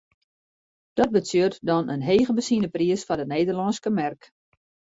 Dat betsjut dan in hege benzinepriis foar de Nederlânske merk.